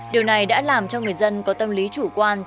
điều này đã làm cho người dân có tâm lý chủ quan